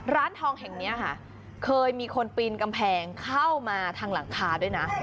ร้านทองแห่งนี้ค่ะเคยมีคนปีนกำแพงเข้ามาทางหลังคาด้วยนะ